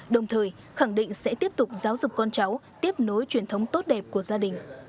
đồng thời khẳng định sẽ tiếp tục giáo dục con cháu tiếp nối truyền thống tốt đẹp của gia đình